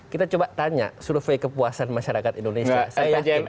kita coba tanya survei kepuasan masyarakat indonesia